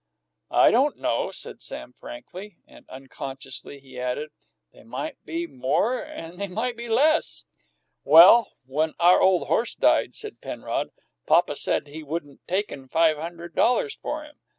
"I don't know," said Sam frankly, and, unconsciously, he added, "They might be more and they might be less." "Well, when our ole horse died," said Penrod, "papa said he wouldn't taken five hundred dollars for him.